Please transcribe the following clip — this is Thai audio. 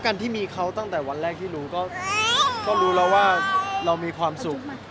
การมีเขาตั้งแต่วันแรกก็เหนาว่าเรามีความสุข